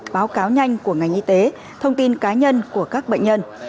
báo cáo nhanh của ngành y tế thông tin cá nhân của các bệnh nhân